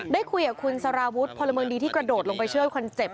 ได้คุยกับคุณสารวุฒิพลเมืองดีที่กระโดดลงไปช่วยคนเจ็บ